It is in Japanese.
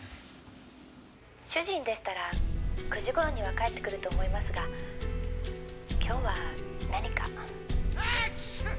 「主人でしたら９時頃には帰ってくると思いますが今日は何か？」